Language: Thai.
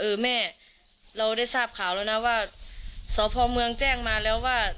เออแม่เราได้ทราบข่าวแล้วนะว่าสพเมืองแจ้งมาแล้วว่า